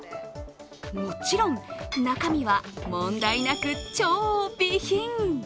もちろん、中身は問題なく超美品。